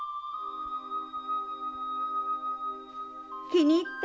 気に入った？